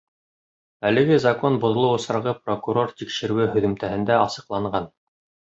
Әлеге закон боҙолоу осрағы прокурор тикшереүе һөҙөмтәһендә асыҡланған.